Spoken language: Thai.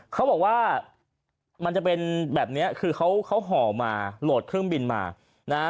เขาบอกว่ามันจะเป็นแบบนี้คือเขาห่อมาโหลดเครื่องบินมานะฮะ